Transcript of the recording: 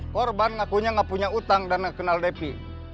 korban ngakunya gak punya utang dan gak kenal depi